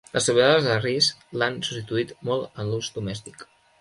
Les tovalloles de ris l'han substituït molt en l'ús domèstic.